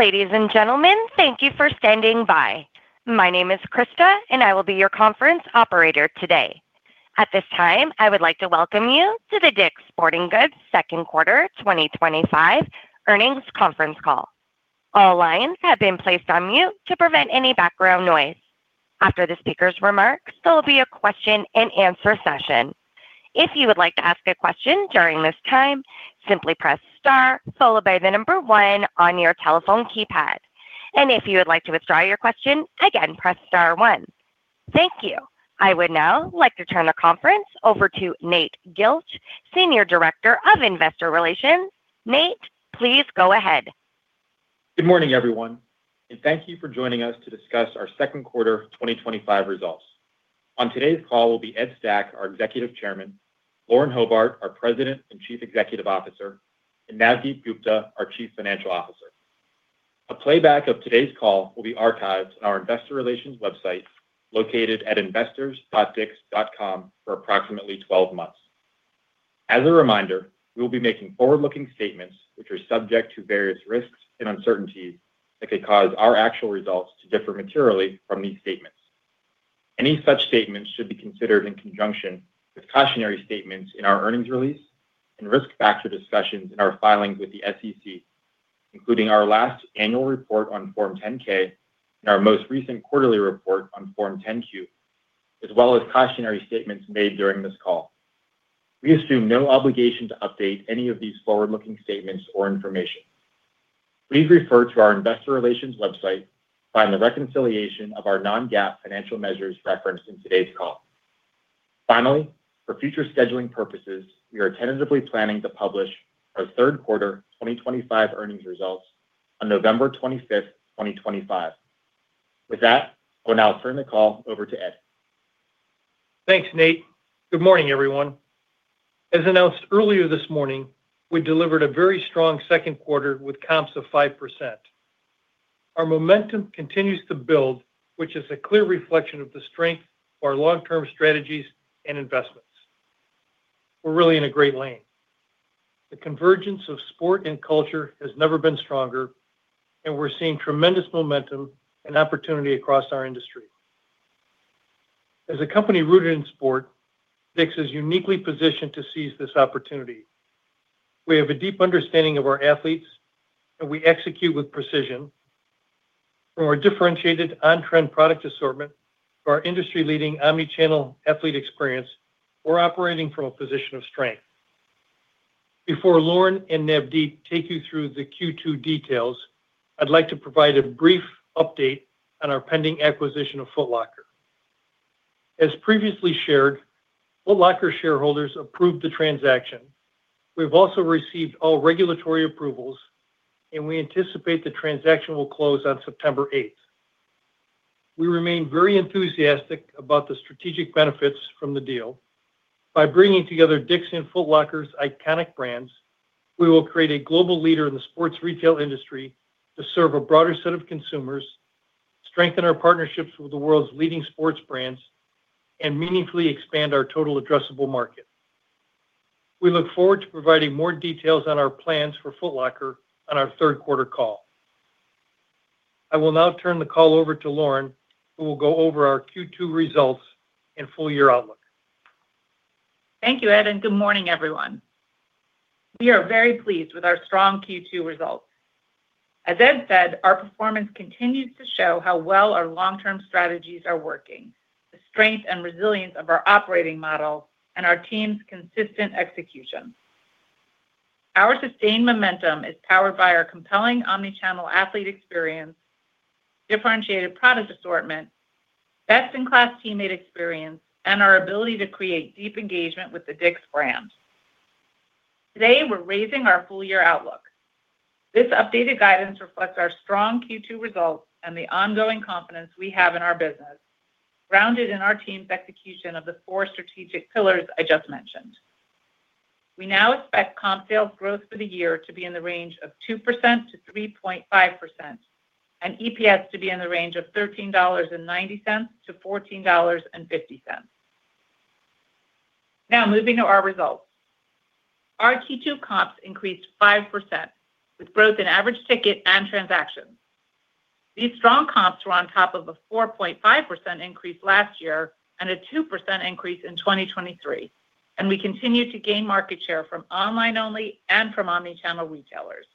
Ladies and gentlemen, thank you for standing by. My name is Krista, and I will be your conference operator today. At this time, I would like to welcome you to the DICK'S Sporting Goods Second Quarter 2025 Earnings Conference Call. All lines have been placed on mute to prevent any background noise. After the speaker's remarks, there will be a question and answer session. If you would like to ask a question during this time, simply press star followed by the number one on your telephone keypad. If you would like to withdraw your question, again, press star one. Thank you. I would now like to turn the conference over to Nate Gilch, Senior Director of Investor Relations. Nate, please go ahead. Good morning, everyone, and thank you for joining us to discuss our second quarter 2025 results. On today's call will be Ed Stack, our Executive Chairman, Lauren Hobart, our President and Chief Executive Officer, and Navdeep Gupta, our Chief Financial Officer. A playback of today's call will be archived on our Investor Relations website, located at investors.dicks.com, for approximately 12 months. As a reminder, we will be making forward-looking statements, which are subject to various risks and uncertainties that could cause our actual results to differ materially from these statements. Any such statements should be considered in conjunction with cautionary statements in our earnings release and risk factor discussions in our filings with the SEC, including our last annual report on Form 10-K and our most recent quarterly report on Form 10-Q, as well as cautionary statements made during this call. We assume no obligation to update any of these forward-looking statements or information. Please refer to our Investor Relations website to find the reconciliation of our non-GAAP financial measures referenced in today's call. Finally, for future scheduling purposes, we are tentatively planning to publish our third quarter 2025 earnings results on November 25, 2025. With that, I will now turn the call over to Ed. Thanks, Nate. Good morning, everyone. As announced earlier this morning, we delivered a very strong second quarter with comps of 5%. Our momentum continues to build, which is a clear reflection of the strength of our long-term strategies and investments. We're really in a great lane. The convergence of sport and culture has never been stronger, and we're seeing tremendous momentum and opportunity across our industry. As a company rooted in sport, DICK'S is uniquely positioned to seize this opportunity. We have a deep understanding of our athletes, and we execute with precision. From our differentiated on-trend product assortment to our industry-leading omnichannel athlete experience, we're operating from a position of strength. Before Lauren and Navdeep take you through the Q2 details, I'd like to provide a brief update on our pending acquisition of Foot Locker. As previously shared, Foot Locker shareholders approved the transaction. We've also received all regulatory approvals, and we anticipate the transaction will close on September 8th. We remain very enthusiastic about the strategic benefits from the deal. By bringing together DICK'S and Foot Locker's iconic brands, we will create a global leader in the sports retail industry to serve a broader set of consumers, strengthen our partnerships with the world's leading sports brands, and meaningfully expand our total addressable market. We look forward to providing more details on our plans for Foot Locker on our third quarter call. I will now turn the call over to Lauren, who will go over our Q2 results and full-year outlook. Thank you, Ed, and good morning, everyone. We are very pleased with our strong Q2 results. As Ed said, our performance continues to show how well our long-term strategies are working, the strength and resilience of our operating model, and our team's consistent execution. Our sustained momentum is powered by our compelling omnichannel athlete experience, differentiated product assortment, best-in-class teammate experience, and our ability to create deep engagement with the DICK'S brand. Today, we're raising our full-year outlook. This updated guidance reflects our strong Q2 results and the ongoing confidence we have in our business, grounded in our team's execution of the four strategic pillars I just mentioned. We now expect comp sales growth for the year to be in the range of 2%-3.5%, and EPS to be in the range of $13.90-$14.50. Now, moving to our results. Our Q2 comps increased 5% with growth in average ticket and transactions. These strong comps were on top of a 4.5% increase last year and a 2% increase in 2023, and we continue to gain market share from online only and from omnichannel retailers.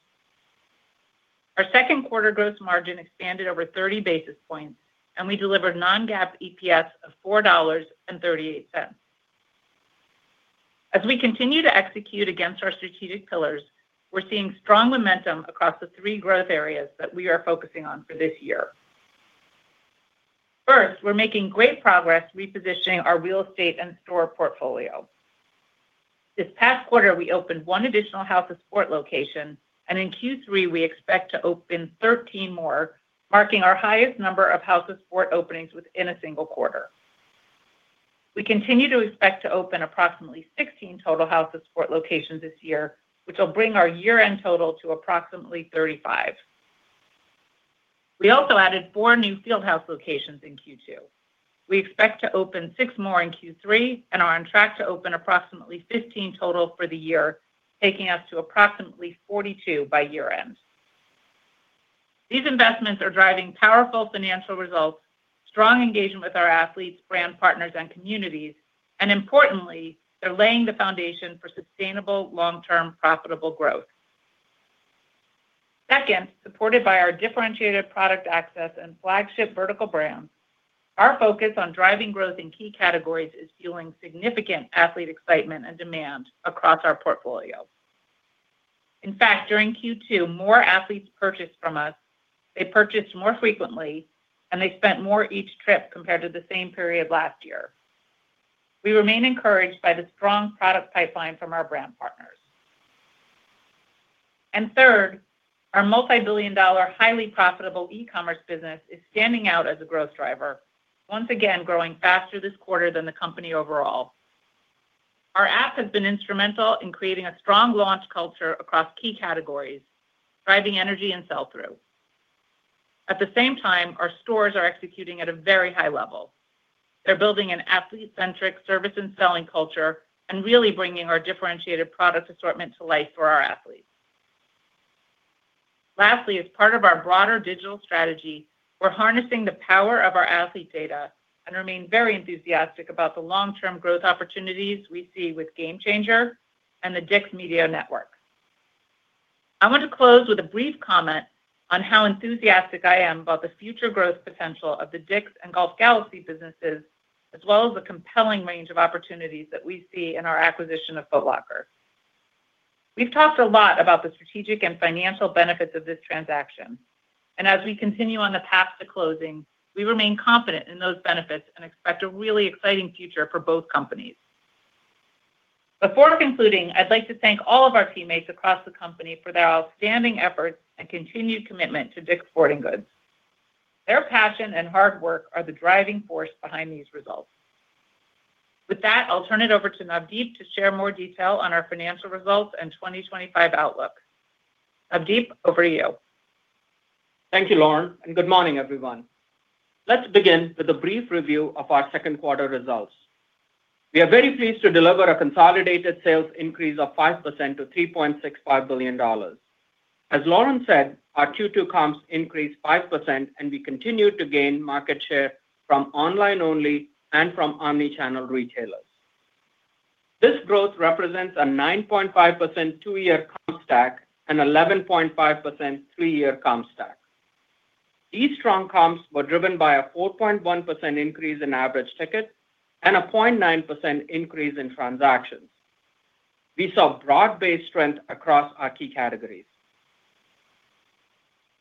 Our second quarter gross margin expanded over 30 basis points, and we delivered non-GAAP EPS of $4.38. As we continue to execute against our strategic pillars, we're seeing strong momentum across the three growth areas that we are focusing on for this year. First, we're making great progress repositioning our real estate and store portfolio. This past quarter, we opened one additional House of Sport location, and in Q3, we expect to open 13 more, marking our highest number of House of Sport openings within a single quarter. We continue to expect to open approximately 16 total House of Sport locations this year, which will bring our year-end total to approximately 35. We also added four new Fieldhouse locations in Q2. We expect to open six more in Q3 and are on track to open approximately 15 total for the year, taking us to approximately 42 by year-end. These investments are driving powerful financial results, strong engagement with our athletes, brand partners, and communities, and importantly, they're laying the foundation for sustainable long-term profitable growth. Second, supported by our differentiated product access and flagship vertical brands, our focus on driving growth in key categories is fueling significant athlete excitement and demand across our portfolio. In fact, during Q2, more athletes purchased from us, they purchased more frequently, and they spent more each trip compared to the same period last year. We remain encouraged by the strong product pipeline from our brand partners. Third, our multi-billion dollar, highly profitable e-commerce business is standing out as a growth driver, once again growing faster this quarter than the company overall. Our DICK'S app has been instrumental in creating a strong launch culture across key categories, driving energy and sell-through. At the same time, our stores are executing at a very high level. They're building an athlete-centric service and selling culture and really bringing our differentiated product assortment to life for our athletes. Lastly, as part of our broader digital strategy, we're harnessing the power of our athlete data and remain very enthusiastic about the long-term growth opportunities we see with GameChanger and the DICK'S Media Network. I want to close with a brief comment on how enthusiastic I am about the future growth potential of the DICK'S and Golf Galaxy businesses, as well as the compelling range of opportunities that we see in our acquisition of Foot Locker. We've talked a lot about the strategic and financial benefits of this transaction. As we continue on the path to closing, we remain confident in those benefits and expect a really exciting future for both companies. Before concluding, I'd like to thank all of our teammates across the company for their outstanding efforts and continued commitment to DICK'S Sporting Goods. Their passion and hard work are the driving force behind these results. With that, I'll turn it over to Navdeep to share more detail on our financial results and 2025 outlook. Navdeep, over to you. Thank you, Lauren, and good morning, everyone. Let's begin with a brief review of our second quarter results. We are very pleased to deliver a consolidated sales increase of 5% to $3.65 billion. As Lauren said, our Q2 comps increased 5%, and we continued to gain market share from online only and from omnichannel retailers. This growth represents a 9.5% two-year comp stack and 11.5% three-year comp stack. These strong comps were driven by a 4.1% increase in average ticket and a 0.9% increase in transactions. We saw broad-based strength across our key categories.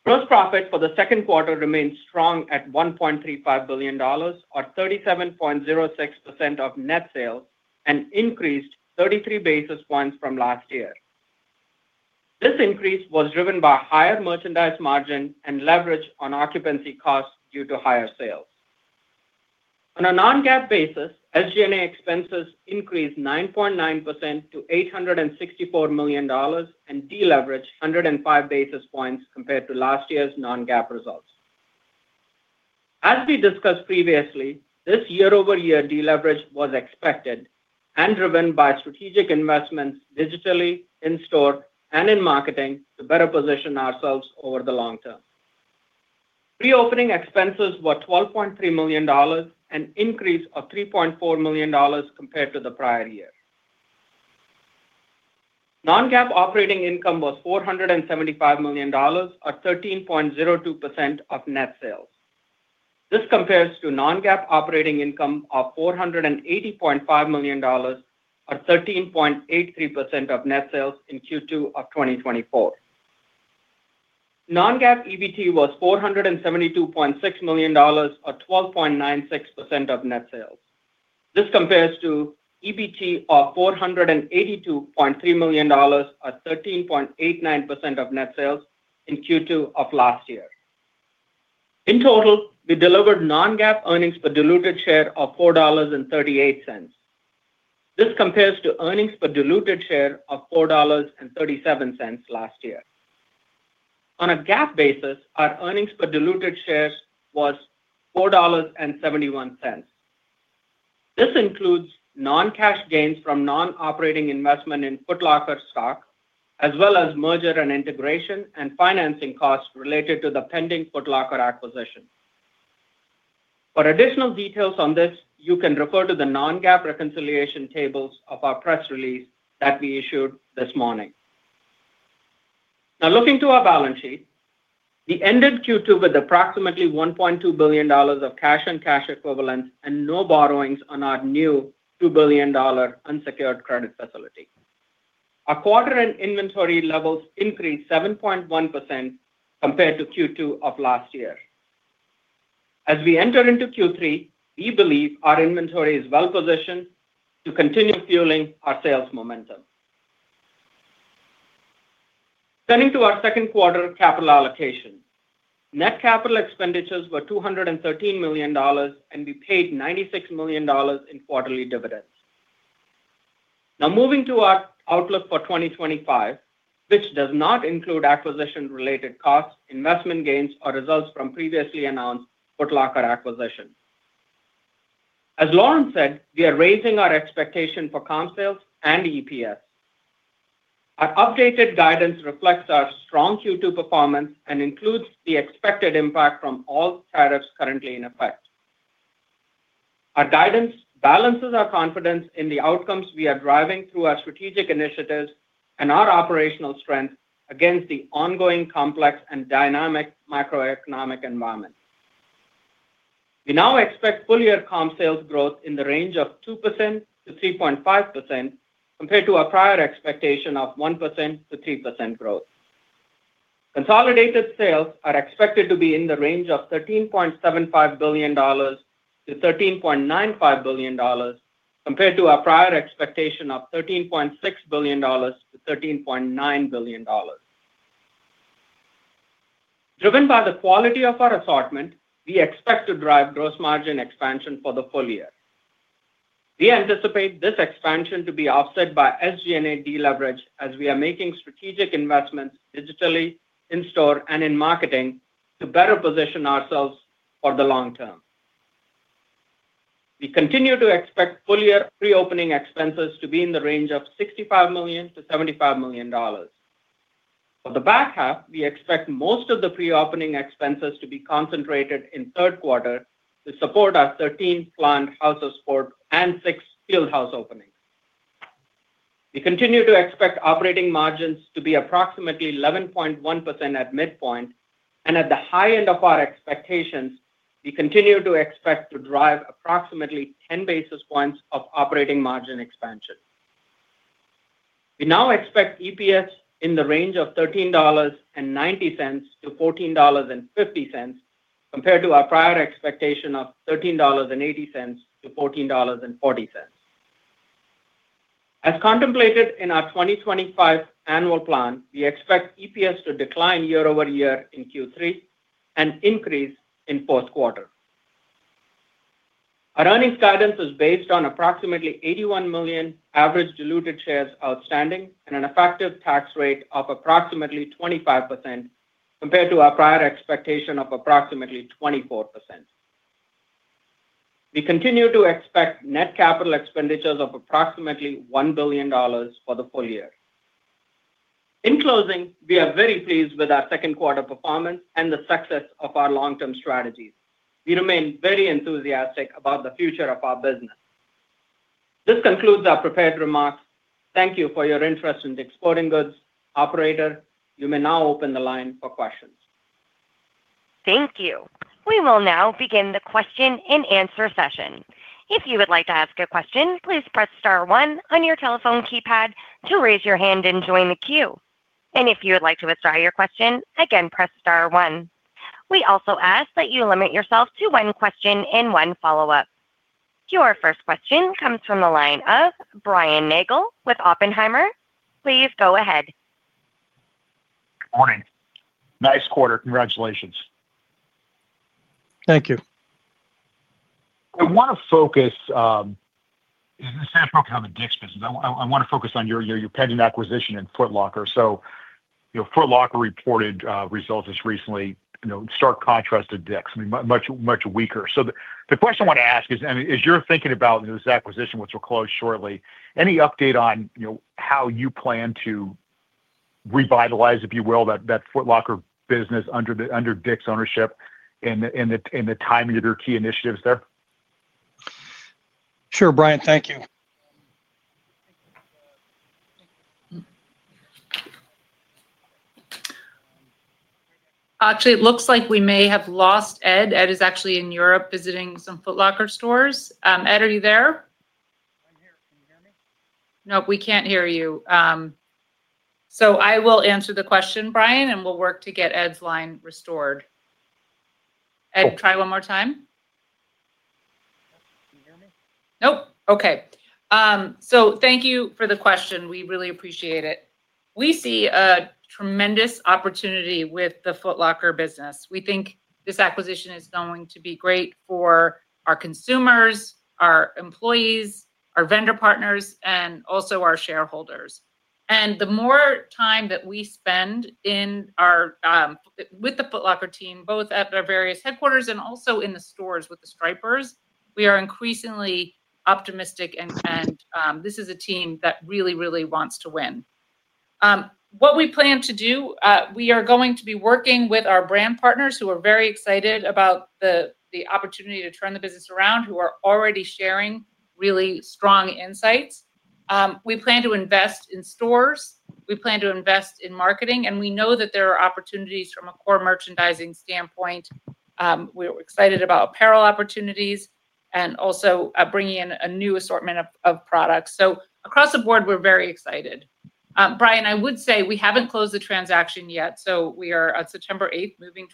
Gross profits for the second quarter remained strong at $1.35 billion, or 37.06% of net sales, and increased 33 basis points from last year. This increase was driven by higher merchandise margin and leverage on occupancy costs due to higher sales. On a non-GAAP basis, SG&A expenses increased 9.9% to $864 million and deleveraged 105 basis points compared to last year's non-GAAP results. As we discussed previously, this year-over-year deleverage was expected and driven by strategic investments digitally, in-store, and in marketing to better position ourselves over the long term. Pre-opening expenses were $12.3 million, an increase of $3.4 million compared to the prior year. Non-GAAP operating income was $475 million, or 13.02% of net sales. This compares to non-GAAP operating income of $480.5 million, or 13.83% of net sales in Q2 of 2023. Non-GAAP EBT was $472.6 million, or 12.96% of net sales. This compares to EBT of $482.3 million, or 13.89% of net sales in Q2 of last year. In total, we delivered non-GAAP earnings per diluted share of $4.38. This compares to earnings per diluted share of $4.37 last year. On a GAAP basis, our earnings per diluted share was $4.71. This includes non-cash gains from non-operating investment in Foot Locker stock, as well as merger and integration and financing costs related to the pending Foot Locker acquisition. For additional details on this, you can refer to the non-GAAP reconciliation tables of our press release that we issued this morning. Now, looking to our balance sheet, we ended Q2 with approximately $1.2 billion of cash and cash equivalents and no borrowings on our new $2 billion unsecured credit facility. Our quarter-end inventory levels increased 7.1% compared to Q2 of last year. As we enter into Q3, we believe our inventory is well-positioned to continue fueling our sales momentum. Turning to our second quarter capital allocation, net capital expenditures were $213 million, and we paid $96 million in quarterly dividends. Now, moving to our outlook for 2025, which does not include acquisition-related costs, investment gains, or results from previously announced Foot Locker acquisition. As Lauren said, we are raising our expectation for comp sales and EPS. Our updated guidance reflects our strong Q2 performance and includes the expected impact from all tariffs currently in effect. Our guidance balances our confidence in the outcomes we are driving through our strategic initiatives and our operational strength against the ongoing complex and dynamic macroeconomic environment. We now expect full-year comp sales growth in the range of 2%-3.5% compared to our prior expectation of 1%-3% growth. Consolidated sales are expected to be in the range of $13.75 billion-$13.95 billion compared to our prior expectation of $13.6 billion-$13.9 billion. Driven by the quality of our assortment, we expect to drive gross margin expansion for the full year. We anticipate this expansion to be offset by SG&A deleverage as we are making strategic investments digitally, in-store, and in marketing to better position ourselves for the long term. We continue to expect full-year pre-opening expenses to be in the range of $65 million to $75 million. For the back half, we expect most of the pre-opening expenses to be concentrated in third quarter to support our 13 planned House of Sport and six Fieldhouse openings. We continue to expect operating margins to be approximately 11.1% at midpoint, and at the high end of our expectations, we continue to expect to drive approximately 10 basis points of operating margin expansion. We now expect EPS in the range of $13.90-$14.50 compared to our prior expectation of $13.80-$14.40. As contemplated in our 2025 annual plan, we expect EPS to decline year-over-year in Q3 and increase in fourth quarter. Our earnings guidance is based on approximately 81 million average diluted shares outstanding and an effective tax rate of approximately 25% compared to our prior expectation of approximately 24%. We continue to expect net capital expenditures of approximately $1 billion for the full year. In closing, we are very pleased with our second quarter performance and the success of our long-term strategies. We remain very enthusiastic about the future of our business. This concludes our prepared remarks. Thank you for your interest in DICK'S Sporting Goods. Operator, you may now open the line for questions. Thank you. We will now begin the question and answer session. If you would like to ask a question, please press star one on your telephone keypad to raise your hand and join the queue. If you would like to withdraw your question, again, press star one. We also ask that you limit yourself to one question and one follow-up. Your first question comes from the line of Brian Nagel with Oppenheimer. Please go ahead. Morning. Nice quarter. Congratulations. Thank you. I want to focus, and this is not focused on the DICK'S business. I want to focus on your pending acquisition in Foot Locker. Foot Locker reported results just recently, in stark contrast to DICK'S much, much weaker. The question I want to ask is, as you're thinking about this acquisition, which will close shortly, any update on how you plan to revitalize, if you will, that Foot Locker business under DICK'S ownership and the timing of your key initiatives there? Sure, Brian, thank you. Actually, it looks like we may have lost Ed. Ed is actually in Europe visiting some Foot Locker stores. Ed, are you there? Nope, we can't hear you. I will answer the question, Brian, and we'll work to get Ed's line restored. Ed, try one more time. Nope. Thank you for the question. We really appreciate it. We see a tremendous opportunity with the Foot Locker business. We think this acquisition is going to be great for our consumers, our employees, our vendor partners, and also our shareholders. The more time that we spend with the Foot Locker team, both at our various headquarters and also in the stores with the stripers, we are increasingly optimistic, and this is a team that really, really wants to win. What we plan to do, we are going to be working with our brand partners, who are very excited about the opportunity to turn the business around, who are already sharing really strong insights. We plan to invest in stores. We plan to invest in marketing, and we know that there are opportunities from a core merchandising standpoint. We're excited about apparel opportunities and also bringing in a new assortment of products. Across the board, we're very excited. Brian, I would say we haven't closed the transaction yet. We are on September 8th moving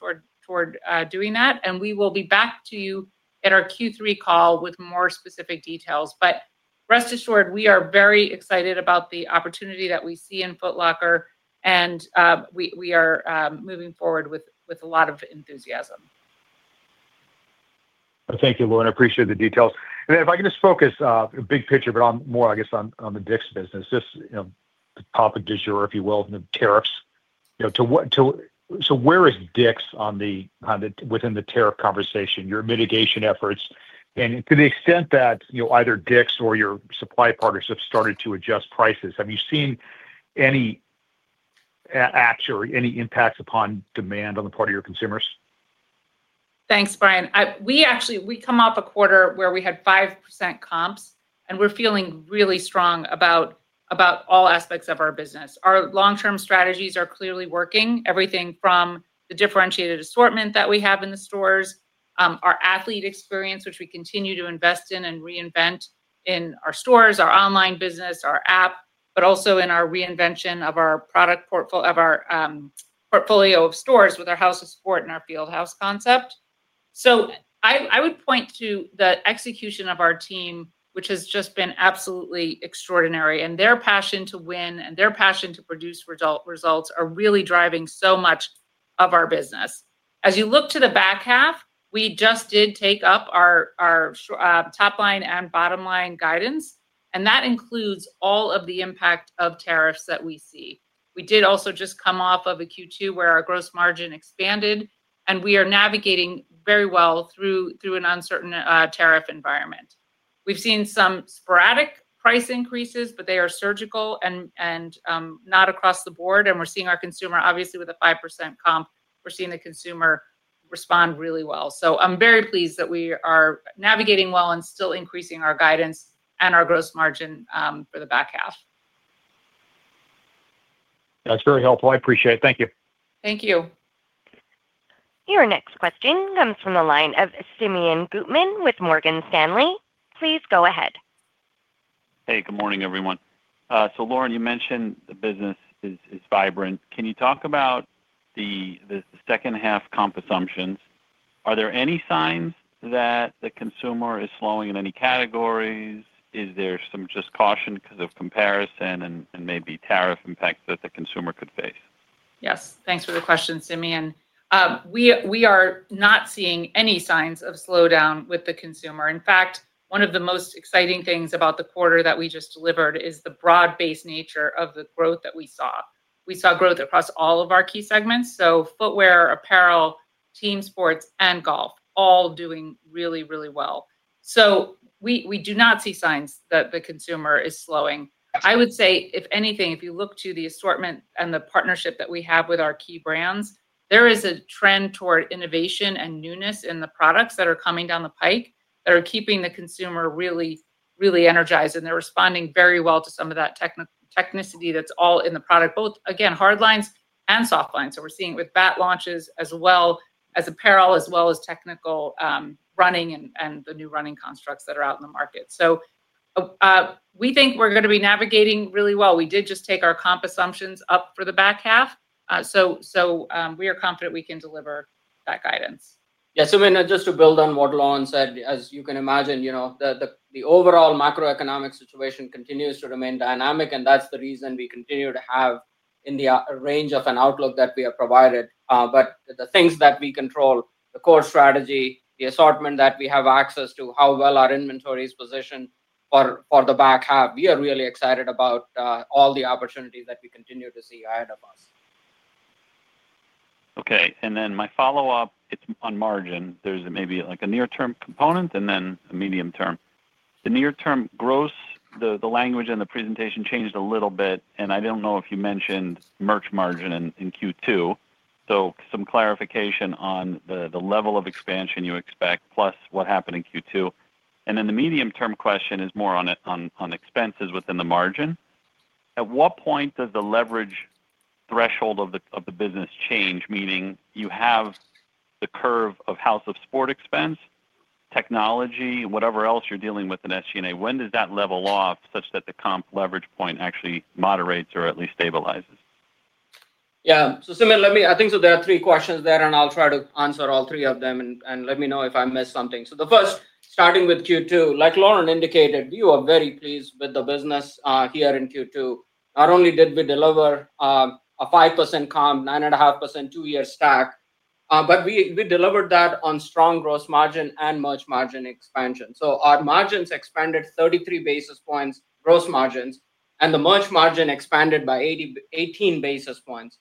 toward doing that, and we will be back to you at our Q3 call with more specific details. Rest assured, we are very excited about the opportunity that we see in Foot Locker, and we are moving forward with a lot of enthusiasm. Thank you, Lauren. I appreciate the detail. If I can just focus big picture, but more, I guess, on the DICK'S business, just, you know, the topic issue, or if you will, the tariffs. To what—so where is DICK'S on the—within the tariff conversation, your mitigation efforts? To the extent that, you know, either DICK'S or your supply partners have started to adjust prices, have you seen any action or any impacts upon demand on the part of your consumers? Thanks, Brian. We come off a quarter where we had 5% comps, and we're feeling really strong about all aspects of our business. Our long-term strategies are clearly working, everything from the differentiated assortment that we have in the stores, our athlete experience, which we continue to invest in and reinvent in our stores, our online business, our DICK'S app, but also in our reinvention of our product portfolio of our portfolio of stores with our House of Sport and our Fieldhouse concept. I would point to the execution of our team, which has just been absolutely extraordinary, and their passion to win and their passion to produce results are really driving so much of our business. As you look to the back half, we just did take up our top line and bottom line guidance, and that includes all of the impact of tariffs that we see. We did also just come off of a Q2 where our gross margin expanded, and we are navigating very well through an uncertain tariff environment. We've seen some sporadic price increases, but they are surgical and not across the board, and we're seeing our consumer, obviously, with a 5% comp, we're seeing the consumer respond really well. I'm very pleased that we are navigating well and still increasing our guidance and our gross margin for the back half. Yeah, that's very helpful. I appreciate it. Thank you. Thank you. Your next question comes from the line of Simeon Gutman with Morgan Stanley. Please go ahead. Hey, good morning, everyone. Lauren, you mentioned the business is vibrant. Can you talk about the second half comp assumptions? Are there any signs that the consumer is slowing in any categories? Is there some just caution because of comparison and maybe tariff impact that the consumer could face? Yes, thanks for the question, Simeon. We are not seeing any signs of slowdown with the consumer. In fact, one of the most exciting things about the quarter that we just delivered is the broad-based nature of the growth that we saw. We saw growth across all of our key segments: footwear, apparel, team sports, and golf all doing really, really well. We do not see signs that the consumer is slowing. I would say, if anything, if you look to the assortment and the partnership that we have with our key brands, there is a trend toward innovation and newness in the products that are coming down the pike that are keeping the consumer really, really energized, and they're responding very well to some of that technicity that's all in the product, both, again, hard lines and soft lines. We're seeing it with bat launches as well as apparel, as well as technical running and the new running constructs that are out in the market. We think we're going to be navigating really well. We did just take our comp assumptions up for the back half. We are confident we can deliver that guidance. Yeah, Simeon, just to build on what Lauren said, as you can imagine, the overall macroeconomic situation continues to remain dynamic. That's the reason we continue to have in the range of an outlook that we have provided. The things that we control, the core strategy, the assortment that we have access to, how well our inventory is positioned for the back half, we are really excited about all the opportunities that we continue to see ahead of us. Okay, and then my follow-up, it's on margin. There's maybe like a near-term component and then a medium term. The near-term gross, the language in the presentation changed a little bit, and I don't know if you mentioned merch margin in Q2. Some clarification on the level of expansion you expect, plus what happened in Q2. The medium-term question is more on expenses within the margin. At what point does the leverage threshold of the business change, meaning you have the curve of House of Sport expense, technology, whatever else you're dealing with in SG&A, when does that level off such that the comp leverage point actually moderates or at least stabilizes? Yeah, Simeon, let me, I think there are three questions there, and I'll try to answer all three of them. Let me know if I missed something. The first, starting with Q2, like Lauren indicated, we are very pleased with the business here in Q2. Not only did we deliver a 5% comp, 9.5% two-year stack, but we delivered that on strong gross margin and merch margin expansion. Our margins expanded 33 basis points gross margins, and the merch margin expanded by 18 basis points.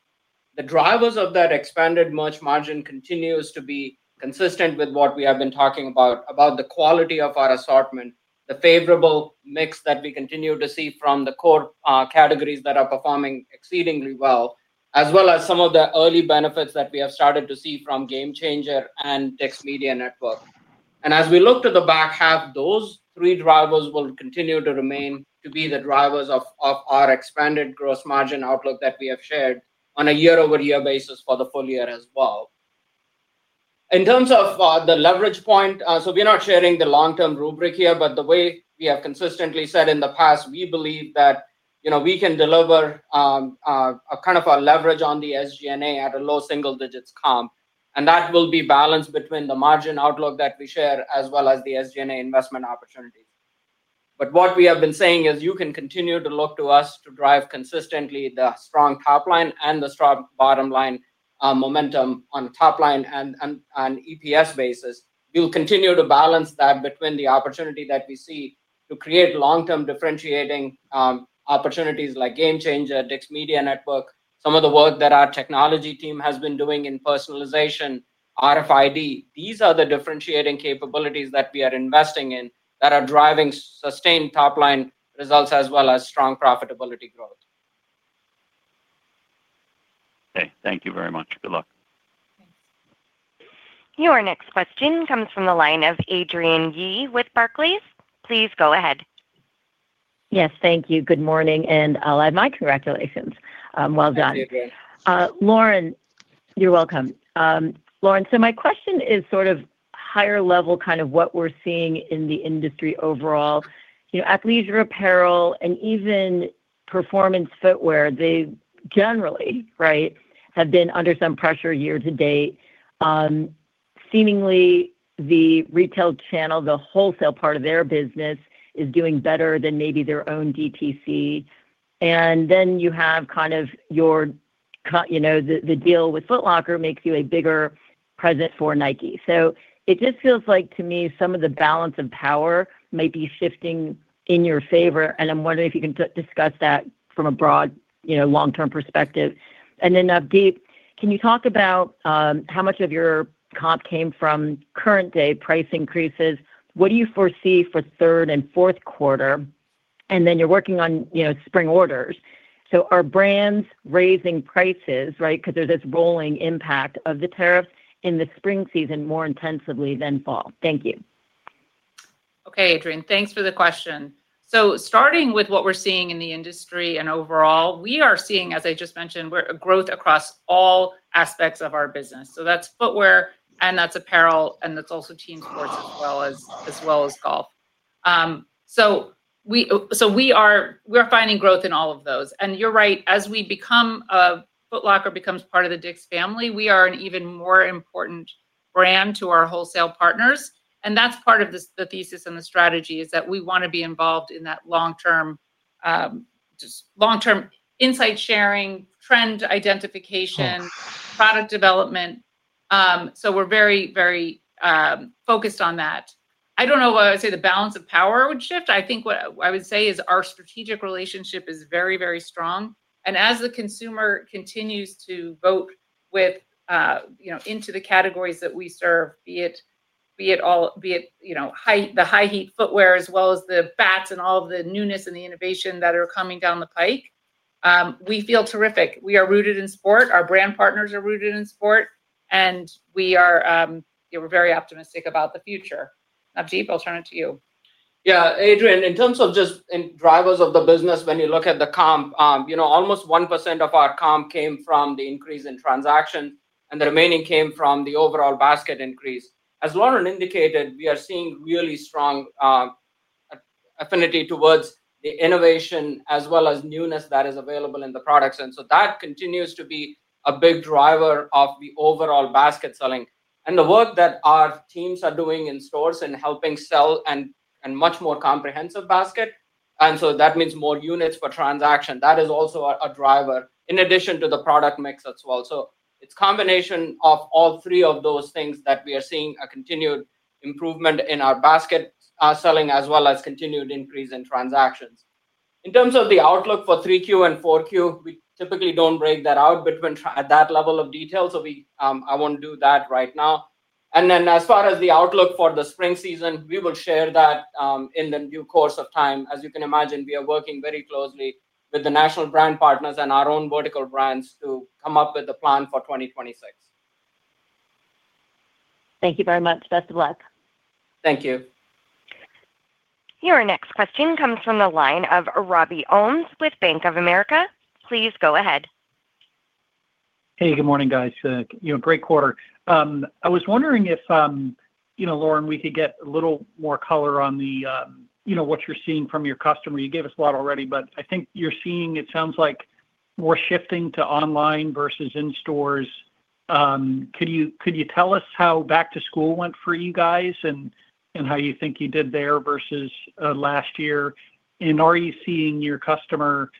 The drivers of that expanded merch margin continue to be consistent with what we have been talking about, about the quality of our assortment, the favorable mix that we continue to see from the core categories that are performing exceedingly well, as well as some of the early benefits that we have started to see from GameChanger and DICK'S Media Network. As we look to the back half, those three drivers will continue to remain the drivers of our expanded gross margin outlook that we have shared on a year-over-year basis for the full year as well. In terms of the leverage point, we're not sharing the long-term rubric here, but the way we have consistently said in the past, we believe that we can deliver a kind of a leverage on the SG&A at a low single-digits comp, and that will be balanced between the margin outlook that we share as well as the SG&A investment opportunity. What we have been saying is you can continue to look to us to drive consistently the strong top line and the strong bottom line momentum on a top line and an EPS basis. You'll continue to balance that between the opportunity that we see to create long-term differentiating opportunities like GameChanger and DICK'S Media Network, some of the work that our technology team has been doing in personalization, RFID. These are the differentiating capabilities that we are investing in that are driving sustained top line results as well as strong profitability growth. Okay, thank you very much. Good luck. Your next question comes from the line of Adrienne Yih with Barclays. Please go ahead. Yes, thank you. Good morning, and I'll add my congratulations. Well done. Lauren, you're welcome. Lauren, my question is sort of higher level, kind of what we're seeing in the industry overall. You know, athleisure apparel and even performance footwear, they generally, right, have been under some pressure year to date. Seemingly, the retail channel, the wholesale part of their business, is doing better than maybe their own DTC. You have kind of your, you know, the deal with Foot Locker makes you a bigger presence for Nike. It just feels like to me some of the balance of power might be shifting in your favor, and I'm wondering if you can discuss that from a broad, you know, long-term perspective. Navdeep, can you talk about how much of your comp came from current day price increases? What do you foresee for third and fourth quarter? You're working on, you know, spring orders. Are brands raising prices, right, because there's this rolling impact of the tariffs in the spring season more intensively than fall? Thank you. Okay, Adrienne, thanks for the question. Starting with what we're seeing in the industry and overall, we are seeing, as I just mentioned, growth across all aspects of our business. That's footwear, that's apparel, and that's also team sports as well as golf. We are finding growth in all of those. You're right, as Foot Locker becomes part of the DICK'S family, we are an even more important brand to our wholesale partners. That's part of the thesis and the strategy, that we want to be involved in that long-term, just long-term insight sharing, trend identification, product development. We're very, very focused on that. I don't know if I would say the balance of power would shift. What I would say is our strategic relationship is very, very strong. As the consumer continues to vote with, you know, into the categories that we serve, be it all, be it, you know, the high-heat footwear as well as the bats and all of the newness and the innovation that are coming down the pike, we feel terrific. We are rooted in sport. Our brand partners are rooted in sport. We're very optimistic about the future. Navdeep, I'll turn it to you. Yeah, Adrienne, in terms of just drivers of the business, when you look at the comp, almost 1% of our comp came from the increase in transaction, and the remaining came from the overall basket increase. As Lauren indicated, we are seeing really strong affinity towards the innovation as well as newness that is available in the products. That continues to be a big driver of the overall basket selling. The work that our teams are doing in stores and helping sell a much more comprehensive basket means more units per transaction. That is also a driver in addition to the product mix as well. It's a combination of all three of those things that we are seeing a continued improvement in our basket selling as well as continued increase in transactions. In terms of the outlook for 3Q and 4Q, we typically don't break that out between at that level of detail. I won't do that right now. As far as the outlook for the spring season, we will share that in the new course of time. As you can imagine, we are working very closely with the national brand partners and our own vertical brands to come up with a plan for 2026. Thank you very much. Best of luck. Thank you. Your next question comes from the line of Robbie Ohmes with Bank of America. Please go ahead. Hey, good morning, guys. Great quarter. I was wondering if, Lauren, we could get a little more color on what you're seeing from your customer. You gave us a lot already, but I think you're seeing, it sounds like, more shifting to online versus in stores. Could you tell us how back to school went for you guys and how you think you did there versus last year? Are you seeing your customer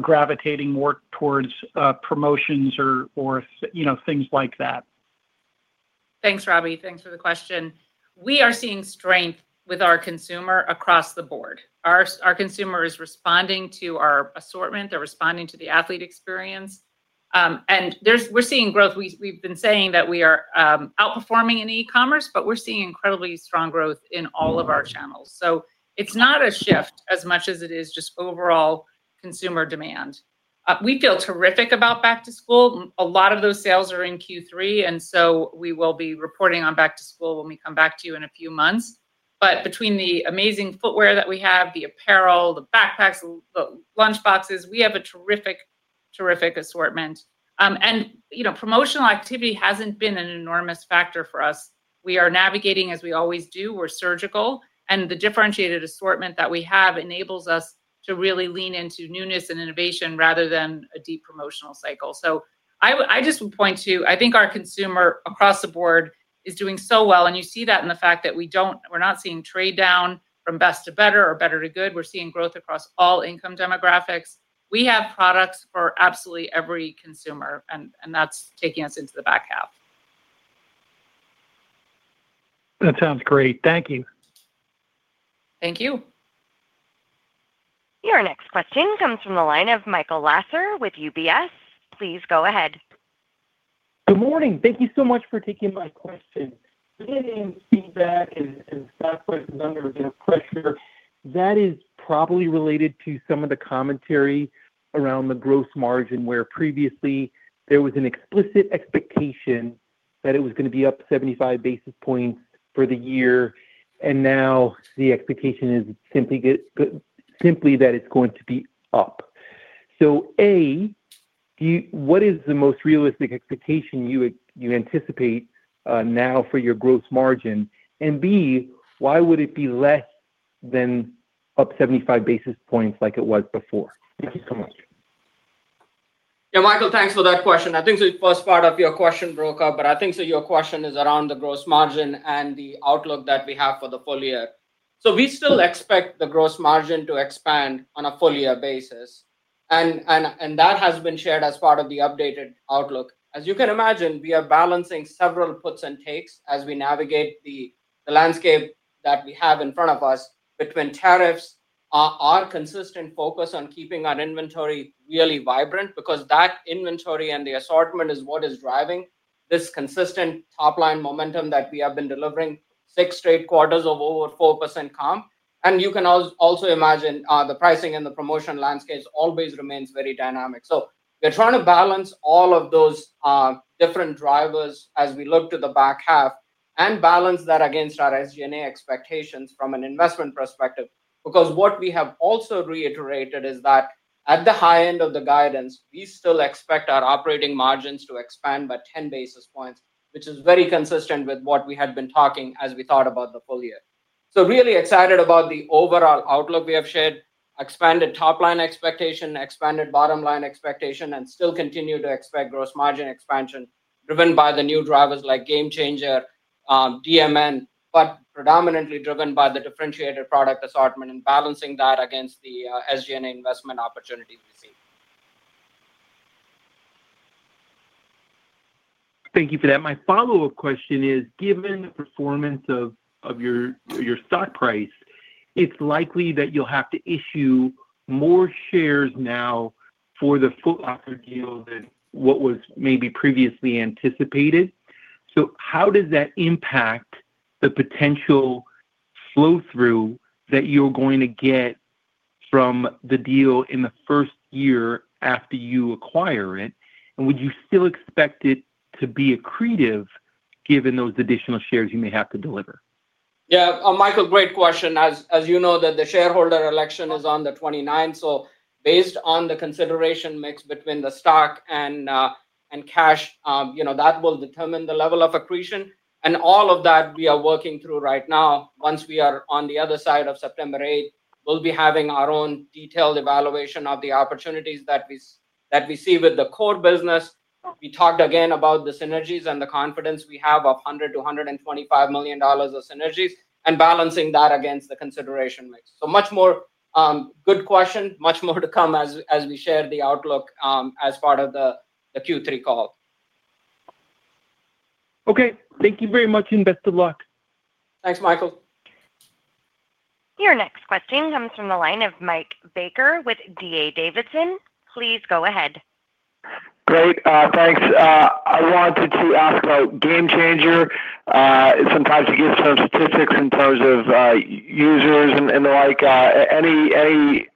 gravitating more towards promotions or things like that? Thanks, Robbie. Thanks for the question. We are seeing strength with our consumer across the board. Our consumer is responding to our assortment. They're responding to the athlete experience, and we're seeing growth. We've been saying that we are outperforming in e-commerce, but we're seeing incredibly strong growth in all of our channels. It is not a shift as much as it is just overall consumer demand. We feel terrific about back to school. A lot of those sales are in Q3, and we will be reporting on back to school when we come back to you in a few months. Between the amazing footwear that we have, the apparel, the backpacks, the lunch boxes, we have a terrific, terrific assortment. Promotional activity hasn't been an enormous factor for us. We are navigating, as we always do. We're surgical, and the differentiated assortment that we have enables us to really lean into newness and innovation rather than a deep promotional cycle. I just would point to, I think our consumer across the board is doing so well, and you see that in the fact that we are not seeing trade down from best to better or better to good. We're seeing growth across all income demographics. We have products for absolutely every consumer, and that's taking us into the back half. That sounds great. Thank you. Thank you. Your next question comes from the line of Michael Lasser with UBS. Please go ahead. Good morning. Thank you so much for taking my question. We're getting feedback, but under pressure. That is probably related to some of the commentary around the gross margin where previously there was an explicit expectation that it was going to be up 75 basis points for the year, and now the expectation is simply that it's going to be up. A, what is the most realistic expectation you anticipate now for your gross margin? B, why would it be less than up 75 basis points like it was before? Thank you so much. Yeah, Michael, thanks for that question. I think the first part of your question broke up, but I think your question is around the gross margin and the outlook that we have for the full year. We still expect the gross margin to expand on a full-year basis, and that has been shared as part of the updated outlook. As you can imagine, we are balancing several puts and takes as we navigate the landscape that we have in front of us between tariffs, our consistent focus on keeping our inventory really vibrant because that inventory and the assortment is what is driving this consistent top line momentum that we have been delivering six straight quarters of over 4% comp. You can also imagine the pricing and the promotion landscape always remains very dynamic. We are trying to balance all of those different drivers as we look to the back half and balance that against our SG&A expectations from an investment perspective. What we have also reiterated is that at the high end of the guidance, we still expect our operating margins to expand by 10 basis points, which is very consistent with what we had been talking as we thought about the full year. Really excited about the overall outlook we have shared, expanded top line expectation, expanded bottom line expectation, and still continue to expect gross margin expansion driven by the new drivers like GameChanger and DMN, but predominantly driven by the differentiated product assortment and balancing that against the SG&A investment opportunities we see. Thank you for that. My follow-up question is, given the performance of your stock price, it's likely that you'll have to issue more shares now for the Foot Locker deal than what was maybe previously anticipated. How does that impact the potential flow-through that you're going to get from the deal in the first year after you acquire it? Would you still expect it to be accretive given those additional shares you may have to deliver? Yeah, Michael, great question. As you know, the shareholder election is on the 29th. Based on the consideration mix between the stock and cash, that will determine the level of accretion. All of that we are working through right now. Once we are on the other side of September 8th, we'll be having our own detailed evaluation of the opportunities that we see with the core business. We talked again about the synergies and the confidence we have of $100 million-$125 million of synergies and balancing that against the consideration mix. Much more to come as we share the outlook as part of the Q3 call. Okay, thank you very much and best of luck. Thanks, Michael. Your next question comes from the line of Mike Baker with D.A. Davidson. Please go ahead. Great, thanks. I wanted to ask about GameChanger. Sometimes you get some statistics in terms of users and the like. Any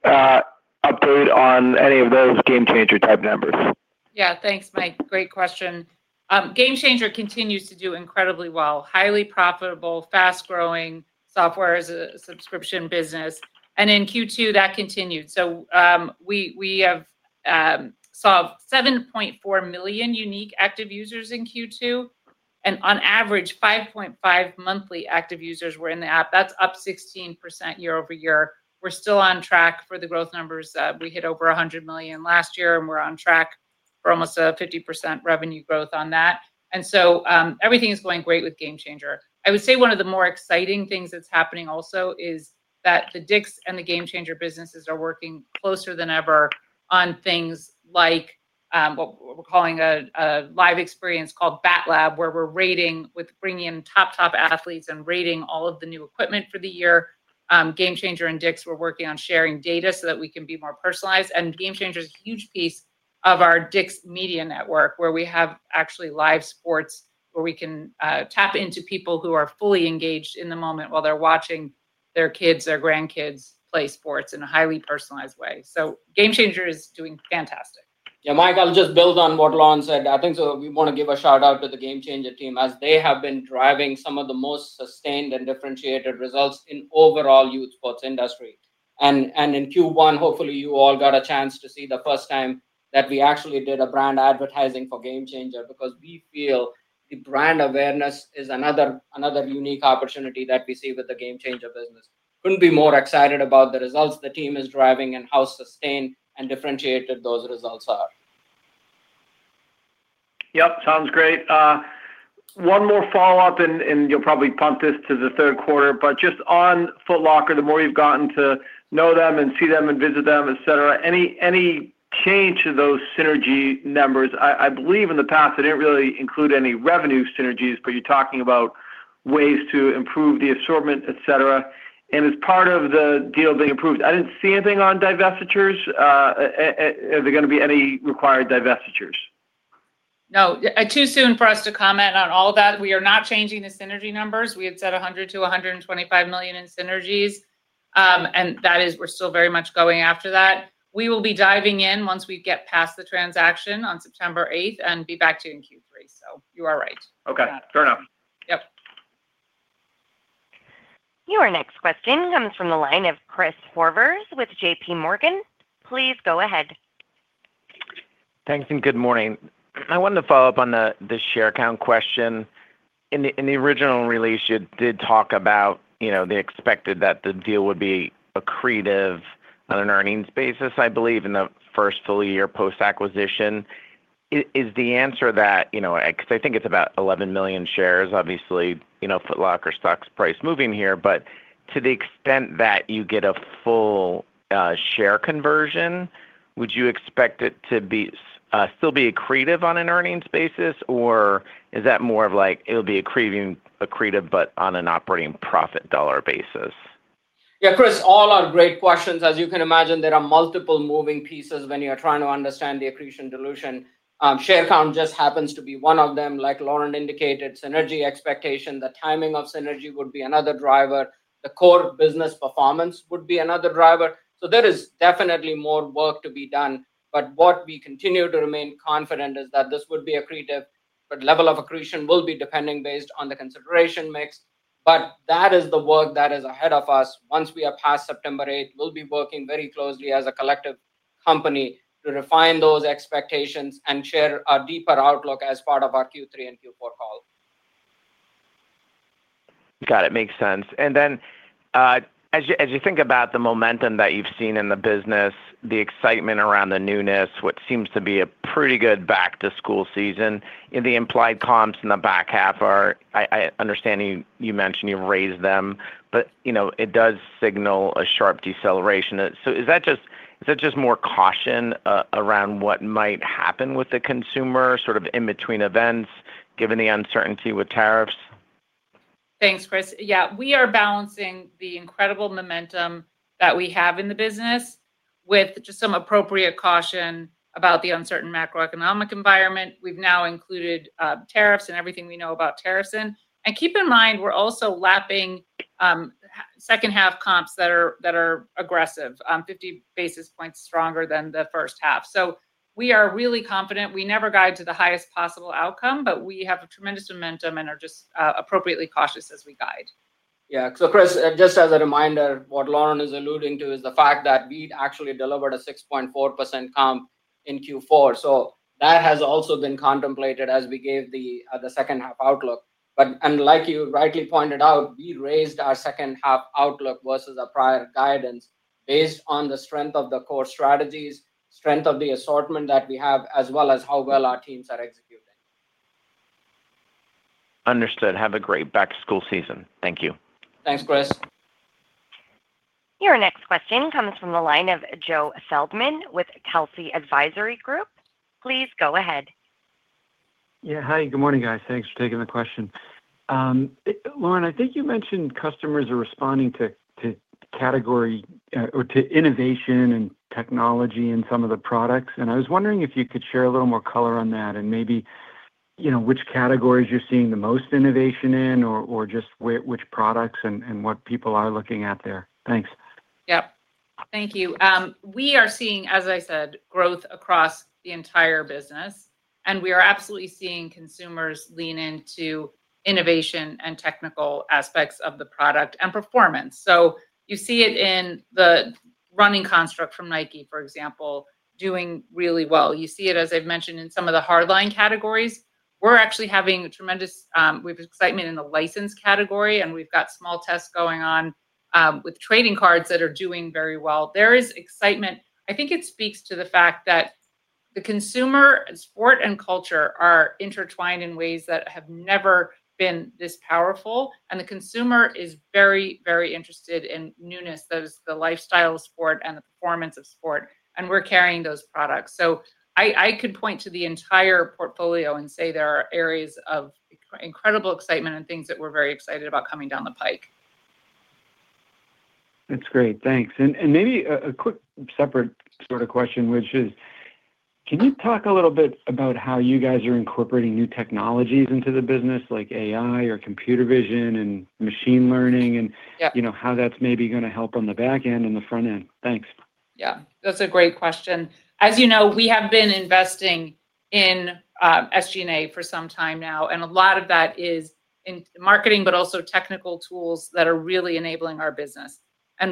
upgrade on any of those GameChanger type numbers? Yeah, thanks, Mike. Great question. GameChanger continues to do incredibly well, highly profitable, fast-growing software as a subscription business. In Q2, that continued. We have served 7.4 million unique active users in Q2. On average, 5.5 million monthly active users were in the app. That's up 16% year over year. We're still on track for the growth numbers. We hit over $100 million last year, and we're on track for almost a 50% revenue growth on that. Everything is going great with GameChanger. I would say one of the more exciting things that's happening also is that DICK'S and the GameChanger businesses are working closer than ever on things like what we're calling a live experience called Bat Lab, where we're bringing in top, top athletes and rating all of the new equipment for the year. GameChanger and DICK'S are working on sharing data so that we can be more personalized. GameChanger is a huge piece of our DICK'S Media Network, where we have actually live sports, where we can tap into people who are fully engaged in the moment while they're watching their kids or grandkids play sports in a highly personalized way. GameChanger is doing fantastic. Yeah, Mike, I'll just build on what Lauren said. We want to give a shout out to the GameChanger team as they have been driving some of the most sustained and differentiated results in the overall youth sports industry. In Q1, hopefully, you all got a chance to see the first time that we actually did a brand advertising for GameChanger because we feel the brand awareness is another unique opportunity that we see with the GameChanger business. Couldn't be more excited about the results the team is driving and how sustained and differentiated those results are. Yep, sounds great. One more follow-up, and you'll probably punt this to the third quarter, but just on Foot Locker, the more you've gotten to know them and see them and visit them, et cetera, any change to those synergy numbers? I believe in the past, they didn't really include any revenue synergies, but you're talking about ways to improve the assortment, et cetera. As part of the deal being approved, I didn't see anything on divestitures. Are there going to be any required divestitures? No, too soon for us to comment on all that. We are not changing the synergy numbers. We had said $100 million-$125 million in synergies, and that is, we're still very much going after that. We will be diving in once we get past the transaction on September 8 and be back to you in Q3. You are right. Okay, fair enough. Yep. Your next question comes from the line of Chris Horvers with JPMorgan. Please go ahead. Thanks, and good morning. I wanted to follow up on the share count question. In the original release, you did talk about, you know, they expected that the deal would be accretive on an earnings basis, I believe, in the first full year post-acquisition. Is the answer that, you know, because I think it's about 11 million shares, obviously, you know, Foot Locker stock's price moving here, but to the extent that you get a full share conversion, would you expect it to still be accretive on an earnings basis, or is that more of like it'll be accretive but on an operating profit dollar basis? Yeah, Chris, all are great questions. As you can imagine, there are multiple moving pieces when you're trying to understand the accretion dilution. Share count just happens to be one of them. Like Lauren indicated, synergy expectation, the timing of synergy would be another driver. The core business performance would be another driver. There is definitely more work to be done, but what we continue to remain confident is that this would be accretive, but the level of accretion will be depending based on the consideration mix. That is the work that is ahead of us. Once we are past September 8, we'll be working very closely as a collective company to refine those expectations and share a deeper outlook as part of our Q3 and Q4 call. Got it. Makes sense. As you think about the momentum that you've seen in the business, the excitement around the newness, what seems to be a pretty good back-to-school season, the implied comps in the back half are, I understand you mentioned you raised them, but it does signal a sharp deceleration. Is that just more caution around what might happen with the consumer sort of in between events, given the uncertainty with tariffs? Thanks, Chris. Yeah, we are balancing the incredible momentum that we have in the business with just some appropriate caution about the uncertain macroeconomic environment. We've now included tariffs and everything we know about tariffs in. Keep in mind, we're also lapping second half comps that are aggressive, 50 basis points stronger than the first half. We are really confident. We never guide to the highest possible outcome, but we have a tremendous momentum and are just appropriately cautious as we guide. Yeah, so Chris, just as a reminder, what Lauren is alluding to is the fact that we actually delivered a 6.4% comp in Q4. That has also been contemplated as we gave the second half outlook, and like you rightly pointed out, we raised our second half outlook versus our prior guidance based on the strength of the core strategies, strength of the assortment that we have, as well as how well our teams are executing. Understood. Have a great back-to-school season. Thank you. Thanks, Chris. Your next question comes from the line of Joe Feldman with Telsey Advisory Group. Please go ahead. Yeah, hi, good morning, guys. Thanks for taking the question. Lauren, I think you mentioned customers are responding to category or to innovation and technology in some of the products. I was wondering if you could share a little more color on that and maybe, you know, which categories you're seeing the most innovation in or just which products and what people are looking at there. Thanks. Thank you. We are seeing, as I said, growth across the entire business. We are absolutely seeing consumers lean into innovation and technical aspects of the product and performance. You see it in the running construct from Nike, for example, doing really well. You see it, as I've mentioned, in some of the hardline categories. We're actually having tremendous excitement in the license category, and we've got small tests going on with trading cards that are doing very well. There is excitement. I think it speaks to the fact that the consumer, sport, and culture are intertwined in ways that have never been this powerful. The consumer is very, very interested in newness, that is the lifestyle of sport and the performance of sport. We're carrying those products. I could point to the entire portfolio and say there are areas of incredible excitement and things that we're very excited about coming down the pike. That's great. Thanks. Maybe a quick separate sort of question, which is, can you talk a little bit about how you guys are incorporating new technologies into the business, like AI or computer vision and machine learning, and how that's maybe going to help on the back end and the front end? Thanks. Yeah, that's a great question. As you know, we have been investing in SG&A for some time now, and a lot of that is in marketing, but also technical tools that are really enabling our business.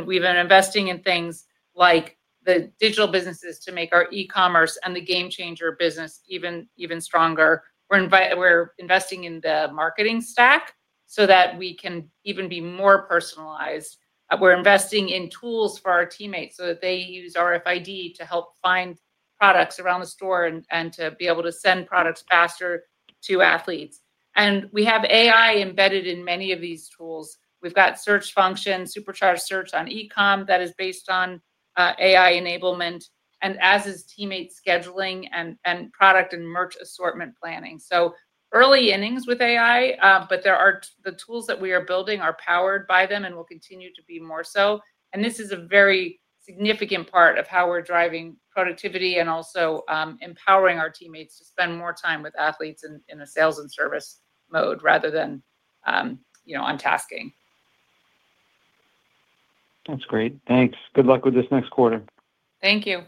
We have been investing in things like the digital businesses to make our e-commerce and the GameChanger business even stronger. We're investing in the marketing stack so that we can even be more personalized. We're investing in tools for our teammates so that they use RFID to help find products around the store and to be able to send products faster to athletes. We have AI embedded in many of these tools. We've got search functions, supercharged search on e-commerce that is based on AI enablement, as is teammate scheduling and product and merch assortment planning. Early innings with AI, but the tools that we are building are powered by them and will continue to be more so. This is a very significant part of how we're driving productivity and also empowering our teammates to spend more time with athletes in a sales and service mode rather than, you know, on tasking. That's great. Thanks. Good luck with this next quarter. Thank you.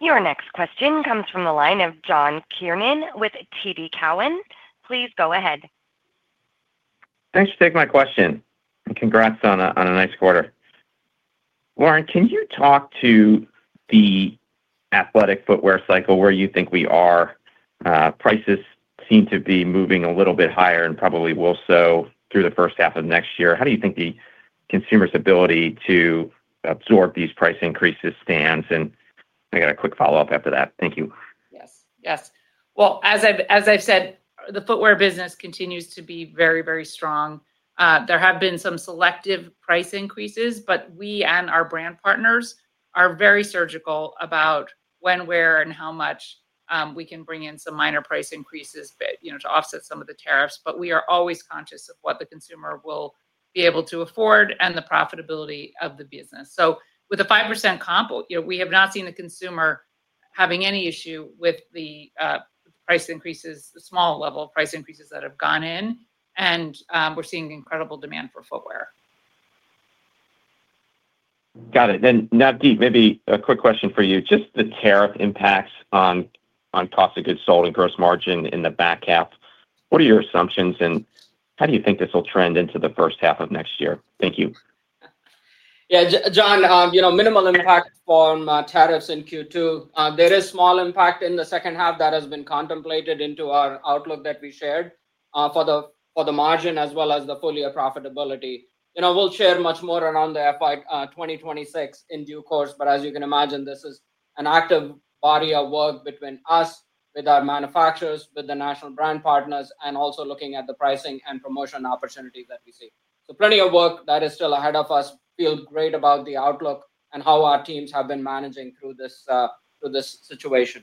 Your next question comes from the line of John Kernan with TD Cowen. Please go ahead. Thanks for taking my question. Congrats on a nice quarter. Lauren, can you talk to the athletic footwear cycle, where you think we are? Prices seem to be moving a little bit higher and probably will do so through the first half of next year. How do you think the consumer's ability to absorb these price increases stands? I have a quick follow-up after that. Thank you. Yes, as I've said, the footwear business continues to be very, very strong. There have been some selective price increases, but we and our brand partners are very surgical about when, where, and how much we can bring in some minor price increases, you know, to offset some of the tariffs. We are always conscious of what the consumer will be able to afford and the profitability of the business. With a 5% comp, you know, we have not seen the consumer having any issue with the price increases, the small level of price increases that have gone in, and we're seeing incredible demand for footwear. Got it. Navdeep, maybe a quick question for you. Just the tariff impacts on cost of goods sold and gross margin in the back half. What are your assumptions and how do you think this will trend into the first half of next year? Thank you. Yeah, John, you know, minimal impact from tariffs in Q2. There is a small impact in the second half that has been contemplated into our outlook that we shared for the margin as well as the full-year profitability. We'll share much more around the FY 2026 in due course, but as you can imagine, this is an active body of work between us, with our manufacturers, with the national brand partners, and also looking at the pricing and promotion opportunities that we see. Plenty of work that is still ahead of us. Feel great about the outlook and how our teams have been managing through this situation.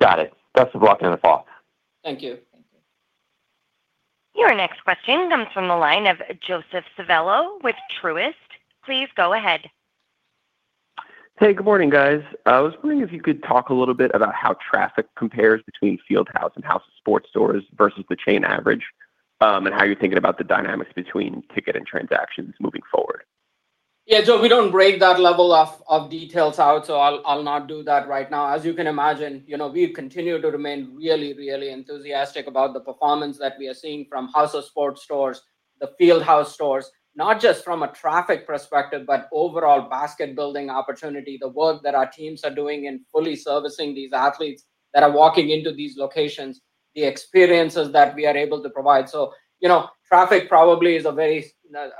Got it. Best of luck in the fall. Thank you. Your next question comes from the line of Joseph Civello with Truist. Please go ahead. Hey, good morning, guys. I was wondering if you could talk a little bit about how traffic compares between Fieldhouse and House of Sport stores versus the chain average, and how you're thinking about the dynamics between ticket and transactions moving forward. Yeah, Joe, we don't break that level of details out, so I'll not do that right now. As you can imagine, you know, we continue to remain really, really enthusiastic about the performance that we are seeing from House of Sport stores, the Fieldhouse stores, not just from a traffic perspective, but overall basket building opportunity, the work that our teams are doing in fully servicing these athletes that are walking into these locations, the experiences that we are able to provide. Traffic probably is a very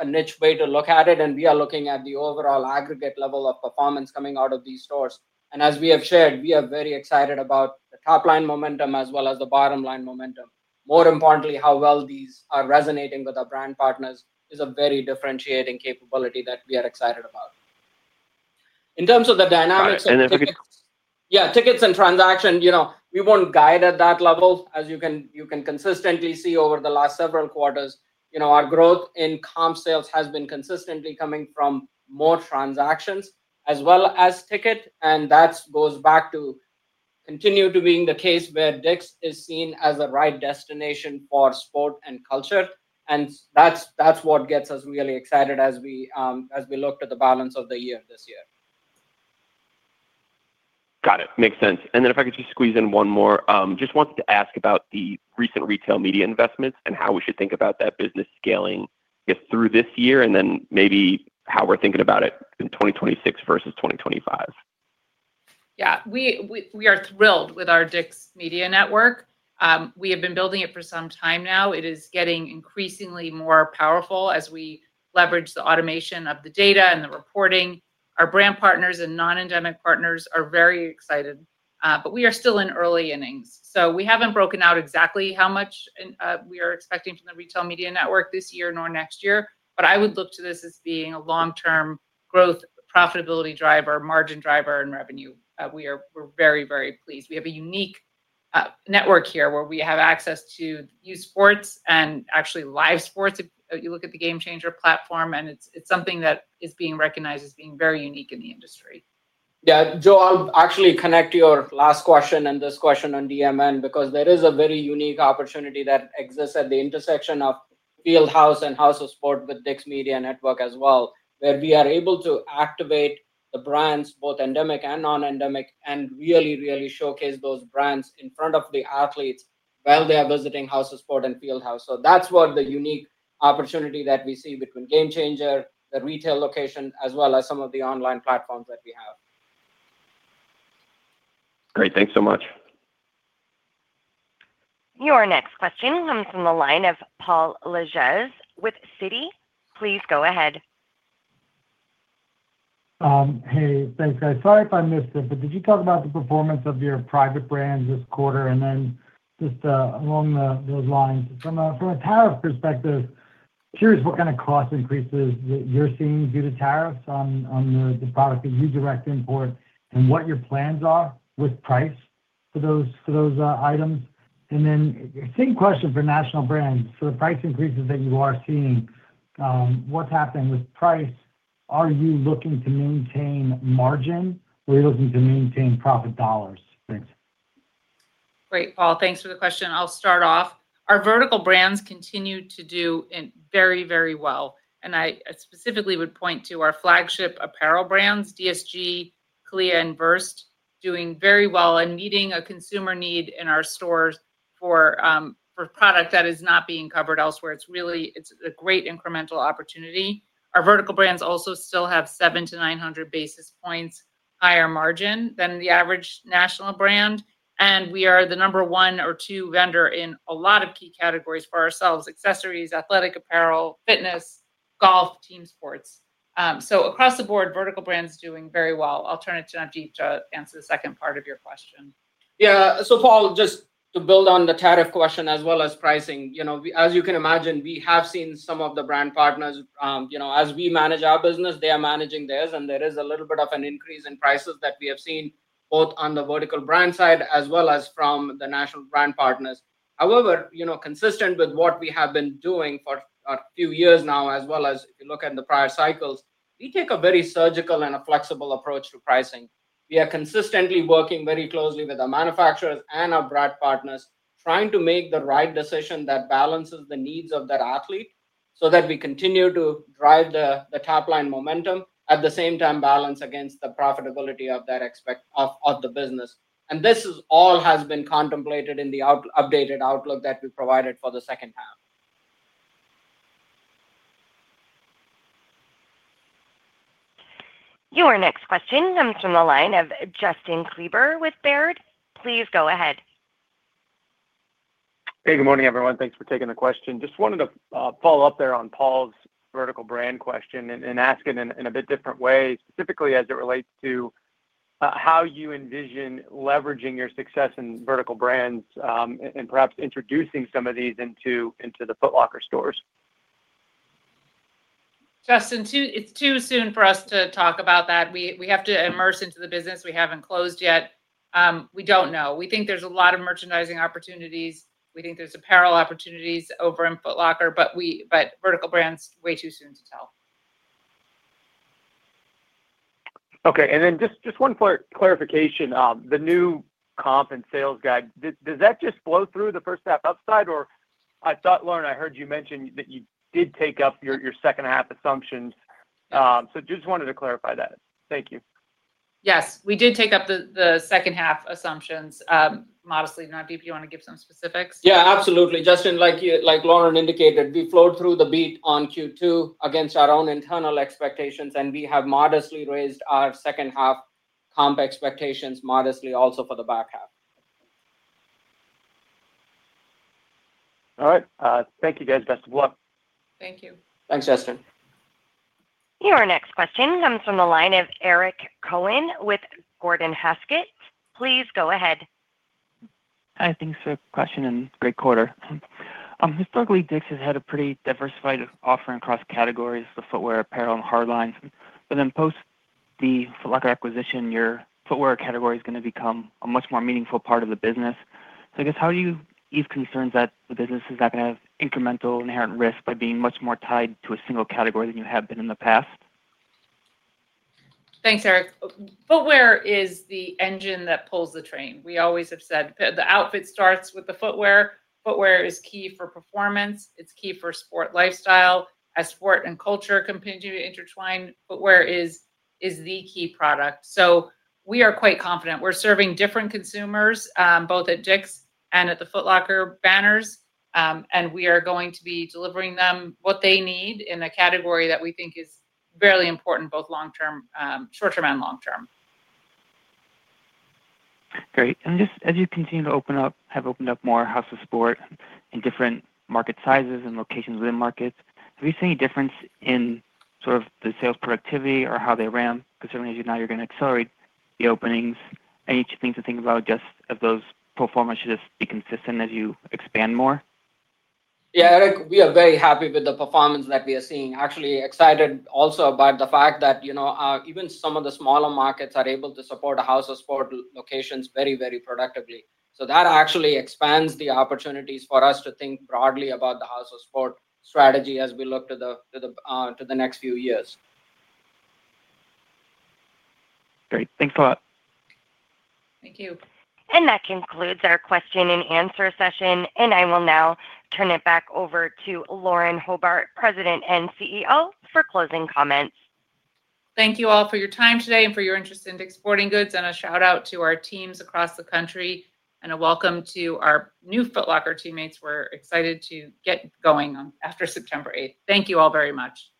niche way to look at it, and we are looking at the overall aggregate level of performance coming out of these stores. As we have shared, we are very excited about the top line momentum as well as the bottom line momentum. More importantly, how well these are resonating with our brand partners is a very differentiating capability that we are excited about. In terms of the dynamics. If we can. Yeah, tickets and transaction, you know, we won't guide at that level. As you can consistently see over the last several quarters, our growth in comp sales has been consistently coming from more transactions as well as ticket, and that goes back to continue to being the case where DICK'S is seen as a right destination for sport and culture. That's what gets us really excited as we look to the balance of the year this year. Got it. Makes sense. If I could just squeeze in one more, I just wanted to ask about the recent retail media investments and how we should think about that business scaling through this year and then maybe how we're thinking about it in 2026 versus 2025. Yeah, we are thrilled with our DICK'S Media Network. We have been building it for some time now. It is getting increasingly more powerful as we leverage the automation of the data and the reporting. Our brand partners and non-endemic partners are very excited. We are still in early innings. We haven't broken out exactly how much we are expecting from the retail media network this year nor next year, but I would look to this as being a long-term growth, profitability driver, margin driver, and revenue. We are very, very pleased. We have a unique network here where we have access to youth sports and actually live sports if you look at the GameChanger platform, and it's something that is being recognized as being very unique in the industry. Yeah, Joe, I'll actually connect your last question and this question on DMN because there is a very unique opportunity that exists at the intersection of Fieldhouse and House of Sport with DICK'S Media Network as well, where we are able to activate the brands, both endemic and non-endemic, and really, really showcase those brands in front of the athletes while they are visiting House of Sport and Fieldhouse. That's the unique opportunity that we see between GameChanger and the retail location, as well as some of the online platforms that we have. Great, thanks so much. Your next question comes from the line of Paul Lejuez with Citi. Please go ahead. Hey, thanks. I thought I'd missed it, but did you talk about the performance of your vertical brands this quarter? Along those lines, from a tariff perspective, curious what kind of cost increases you're seeing due to tariffs on the products that you direct import and what your plans are with price for those items. The same question for national brands. For the price increases that you are seeing, what's happening with price? Are you looking to maintain margin or are you looking to maintain profit dollars? Great, Paul. Thanks for the question. I'll start off. Our vertical brands continue to do very, very well. I specifically would point to our flagship apparel brands, DSG, CLEA, and BURST, doing very well and meeting a consumer need in our stores for product that is not being covered elsewhere. It's really a great incremental opportunity. Our vertical brands also still have 700-900 basis points higher margin than the average national brand. We are the number one or two vendor in a lot of key categories for ourselves: accessories, athletic apparel, fitness, golf, team sports. Across the board, vertical brands are doing very well. I'll turn it to Navdeep to answer the second part of your question. Yeah, so Paul, just to build on the tariff question as well as pricing, as you can imagine, we have seen some of the brand partners, as we manage our business, they are managing theirs, and there is a little bit of an increase in prices that we have seen both on the vertical brands side as well as from the national brand partners. However, consistent with what we have been doing for a few years now, as well as if you look at the prior cycles, we take a very surgical and a flexible approach to pricing. We are consistently working very closely with our manufacturers and our brand partners, trying to make the right decision that balances the needs of that athlete so that we continue to drive the top line momentum, at the same time balance against the profitability of that aspect of the business. This all has been contemplated in the updated outlook that we provided for the second half. Your next question comes from the line of Justin Kleber with Baird. Please go ahead. Hey, good morning everyone. Thanks for taking the question. Just wanted to follow up there on Paul's vertical brand question and ask it in a bit different way, specifically as it relates to how you envision leveraging your success in vertical brands and perhaps introducing some of these into the Foot Locker stores. Justin, it's too soon for us to talk about that. We have to immerse into the business. We haven't closed yet. We don't know. We think there's a lot of merchandising opportunities. We think there's apparel opportunities over in Foot Locker, but vertical brands, way too soon to tell. Okay, and then just one clarification. The new comp and sales guide, does that just flow through the first half upside? I thought, Lauren, I heard you mention that you did take up your second half assumptions. Just wanted to clarify that. Thank you. Yes, we did take up the second half assumptions modestly. Navdeep, you want to give some specifics? Yeah, absolutely. Justin, like Lauren indicated, we flowed through the beat on Q2 against our own internal expectations, and we have modestly raised our second half comp expectations modestly also for the back half. All right. Thank you, guys. Best of luck. Thank you. Thanks, Justin. Your next question comes from the line of Eric Cohen with Gordon Haskett. Please go ahead. Hi, thanks for the question and great quarter. Historically, DICK'S has had a pretty diversified offering across categories for footwear, apparel, and hard lines. After the Foot Locker acquisition, your footwear category is going to become a much more meaningful part of the business. I guess how do you ease concerns that the business is not going to have incremental inherent risk by being much more tied to a single category than you have been in the past? Thanks, Eric. Footwear is the engine that pulls the train. We always have said the outfit starts with the footwear. Footwear is key for performance. It's key for sport lifestyle. As sport and culture continue to intertwine, footwear is the key product. We are quite confident we're serving different consumers, both at DICK'S and at the Foot Locker banners, and we are going to be delivering them what they need in a category that we think is very important, both long term, short term, and long term. Great. Just as you continue to open up, have opened up more House of Sport in different market sizes and locations within markets, have you seen any difference in the sales productivity or how they ran? Certainly, as you know, you are going to accelerate the openings. Are there any things to think about regarding those performances to be consistent as you expand more? Yeah, Eric, we are very happy with the performance that we are seeing. Actually excited also by the fact that, you know, even some of the smaller markets are able to support House of Sport locations very, very productively. That actually expands the opportunities for us to think broadly about the House of Sport strategy as we look to the next few years. Great, thanks a lot. Thank you. That concludes our question and answer session. I will now turn it back over to Lauren Hobart, President and CEO, for closing comments. Thank you all for your time today and for your interest in DICK'S Sporting Goods. A shout out to our teams across the country, and a welcome to our new Foot Locker teammates. We're excited to get going after September 8th. Thank you all very much.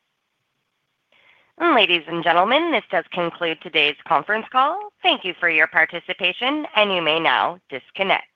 Ladies and gentlemen, this does conclude today's conference call. Thank you for your participation, and you may now disconnect.